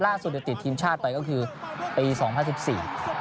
ล่าสุดที่ติดทีมชาติไปก็คือปี๒๕๔